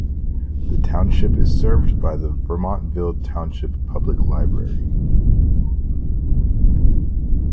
The township is served by the Vermontville Township Public Library.